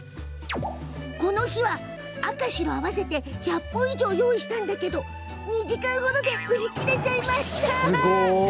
この日は、赤白合わせて１００本以上用意したんだけど２時間ほどで売り切れちゃいました。